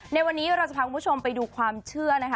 ในวันนี้เราจะพาคุณผู้ชมไปดูความเชื่อนะคะ